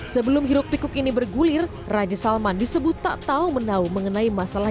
sebelum hiruk pikuk ini bergulir raja salman disebut tak tahu menau mengenai masalah